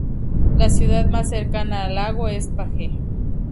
La ciudad más cercana al lago es Page.